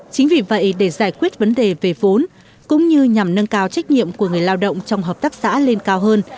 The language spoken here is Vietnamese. chính vì vậy để giải quyết vấn đề về vốn cũng như nhằm nâng cao trách nhiệm của người lao động trong hợp tác xã lên cao hơn